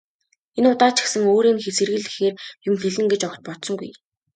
Энэ удаа ч гэсэн өөрийг нь сэрхийлгэхээр юм хэлнэ гэж огт бодсонгүй.